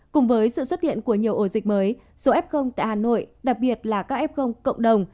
cùng với sự xuất hiện của nhiều ổ dịch mới số f tại hà nội đặc biệt là các f cộng đồng